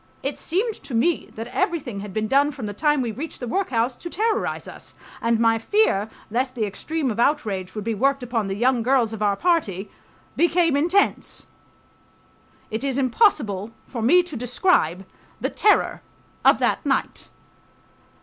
It seemed to me that everything had been done from the time we reached the workhouse to terrorize us, and my fear lest the extreme of outrage would be worked upon the young girls of our party became intense. It is impossible for me to describe the terror of that night.